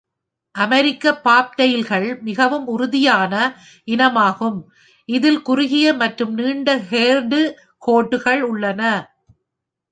அமெரிக்க பாப்டெயில்கள் மிகவும் உறுதியான இனமாகும், இதில் குறுகிய மற்றும் நீண்ட ஹேர்டு கோட்டுகள் உள்ளன.